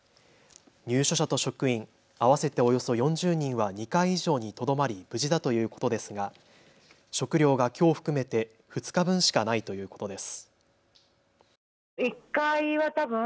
入所者と職員合わせておよそ４０人は２階以上にとどまり無事だということですが食料がきょう含めて２日分しかないということです。